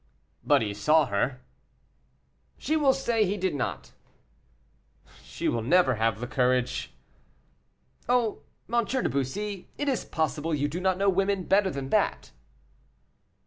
"But he saw her." "She will say he did not." "She will never have the courage." "Oh, M. de Bussy, is it possible you do not know women better than that!"